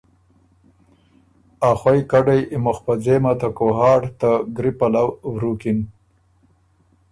ا خوئ کډئ مُخ په ځېمه ته کوهاټ ته ګری پلؤ ورُوکِن۔